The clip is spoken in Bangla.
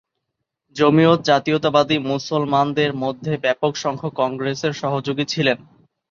জমিয়ত জাতীয়তাবাদী মুসলমানদের মধ্যে ব্যাপক সংখ্যক কংগ্রেসের সহযোগী ছিলেন।